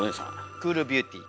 クールビューティー。